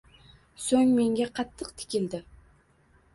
So‘ng menga qattiq tikildi